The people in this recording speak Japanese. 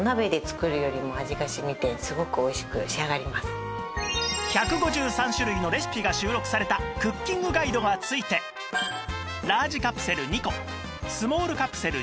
これ１５３種類のレシピが収録されたクッキングガイドが付いてラージカプセル２個スモールカプセル